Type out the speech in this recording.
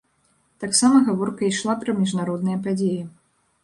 Таксама гаворка ішла пра міжнародныя падзеі.